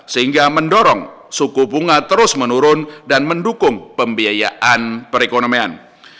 sehingga mendorong suku bunga terus menurun dan mendukung pembiayaan perekonomian